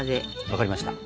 分かりました。